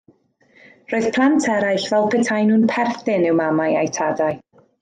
Roedd plant eraill fel petaen nhw'n perthyn i'w mamau a'u tadau.